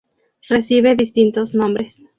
Recibe distintos nombres.